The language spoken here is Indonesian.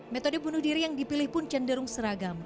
metode bunuh diri yang dipilih pun cenderung seragam